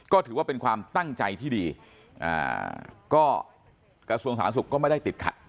ก็ถือว่าเป็นความตั้งใจที่ดีก็กระทรวงสาธารณสุขก็ไม่ได้ติดขัด